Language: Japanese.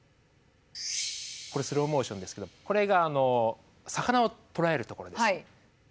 これスローモーションですけどこれが魚をとらえるところです。